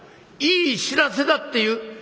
いい知らせだっていう」。